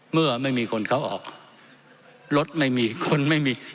เมื่อไม่มีคนเข้าออกรถไม่มีคนไม่มี